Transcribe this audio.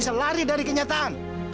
sudah titik meyakinkan saya